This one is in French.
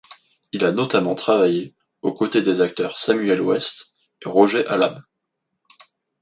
Il a notamment travaillé aux côtés des acteurs Samuel West et Roger Allam.